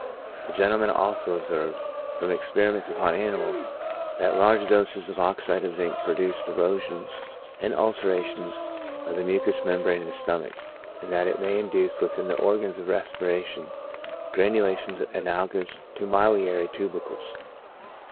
This gentleman also observed, from experiments upon animals, that large doses of oxide of zinc produced erosions and ulcerations of the mucous membrane of the stomach, and that it may induce within the organs of respi ration granulations analogous to miliary tubercles.